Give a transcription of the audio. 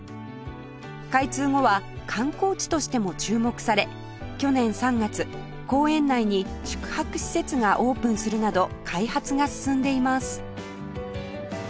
開通後は観光地としても注目され去年３月公園内に宿泊施設がオープンするなど開発が進んでいます